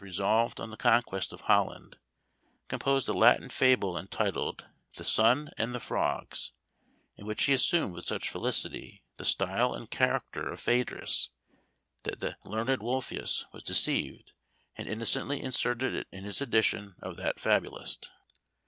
resolved on the conquest of Holland, composed a Latin fable, entitled "The Sun and the Frogs," in which he assumed with such felicity the style and character of Phædrus, that the learned Wolfius was deceived, and innocently inserted it in his edition of that fabulist.